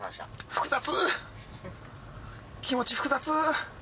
複雑気持ち複雑。